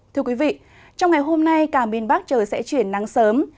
thưa quý vị trong ngày hôm nay cả miền bắc trời sẽ chuyển nắng sớm